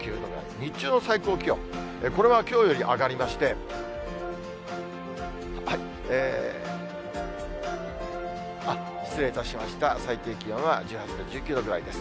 日中の最高気温、これはきょうより上がりまして、失礼いたしました、最高気温は１８度、１９度ぐらいです。